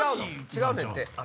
違うねんて。